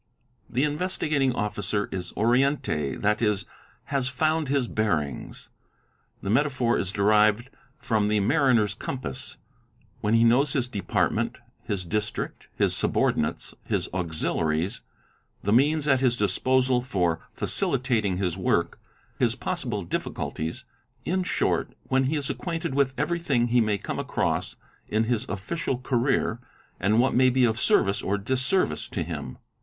The Investigating Officer is " orienté,' that is, "has found his bearings," (the metaphor is derived from the mariner's compass), when | he knows his department, his district, his subordinates, his auxiliaries, the means at his disposal for facilitating his work, his possible diffi culties, in short when he is acquainted with every thing he may com across in his official career and what may be of service or disservice to him.